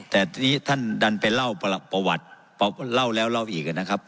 แต่ทีนี้ท่านดันไปเล่าประวัติเล่าแล้วเล่าอีกนะครับ